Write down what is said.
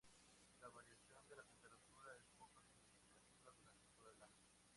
La variación de la temperatura es poco significativa durante todo el año.